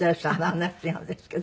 話違うんですけど。